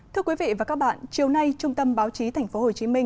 thưa quý vị và các bạn chiều nay trung tâm báo chí tp hcm